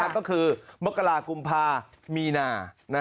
ก็คือมกรากุมภามีนา